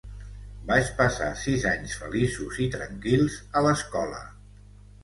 Vaig passar sis anys feliços i tranquils a l'escola.